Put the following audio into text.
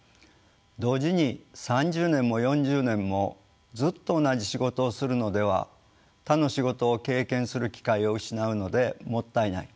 同時に３０年も４０年もずっと同じ仕事をするのでは他の仕事を経験する機会を失うのでもったいない。